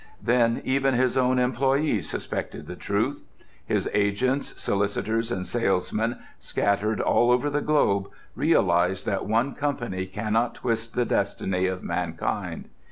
Then even his own employees suspected the truth. His agents, solicitors, and salesmen, scattered all over the globe, realized that one company cannot twist the destiny of mankind.